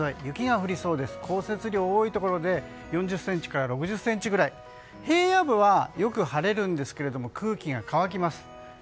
降雪量、多いところで４０ｃｍから６０ｃｍぐらい平野部はよく晴れるんですが空気が乾きます。